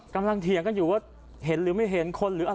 กำลังเถียงกันอยู่ว่าเห็นหรือไม่เห็น